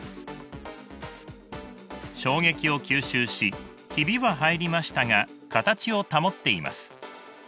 衝撃を吸収しヒビは入りましたが形を保っています。